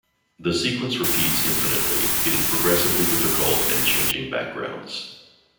The sequence repeats infinitely, getting progressively difficult and changing backgrounds.